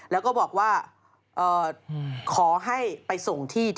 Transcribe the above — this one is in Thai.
แล้วก็บอกว่าขอให้ไปส่งที่ที่หนึ่ง